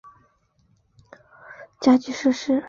街道家具泛指所有设立于街道的家具设施。